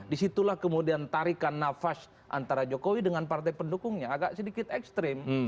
disitulah kemudian tarikan nafas antara jokowi dengan partai pendukungnya agak sedikit ekstrim